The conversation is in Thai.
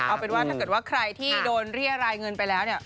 เอาเป็นว่าถ้าเกิดว่าใครที่โดนเรียรายเงินไปแล้วเนี่ย